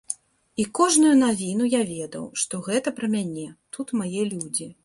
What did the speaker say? І кожную навіну я ведаў, што гэта пра мяне, тут мае людзі.